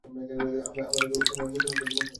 আমার এখন নতুন একটা জীবন হয়েছে।